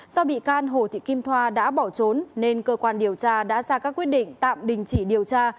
do bị can hồ thị kim thoa đã bỏ trốn nên cơ quan điều tra đã ra các quyết định tạm đình chỉ điều tra